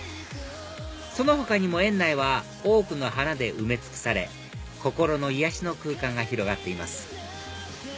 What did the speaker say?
その他にも園内は多くの花で埋め尽くされ心の癒やしの空間が広がっています